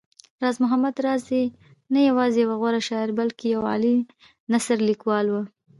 راز محمد راز دی نه يوازې يو غوره شاعر بلکې يو عالي نثرليکوال و